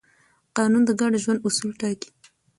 قانون د ګډ ژوند اصول ټاکي.